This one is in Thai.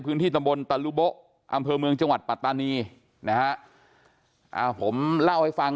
พื้นที่ตำบลตะลูบะอำเภอเมืองจังหวัดปัตตานีนะผมเล่าให้ฟัง